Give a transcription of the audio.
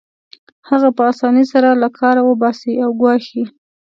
هغه په اسانۍ سره له کاره وباسي او ګواښي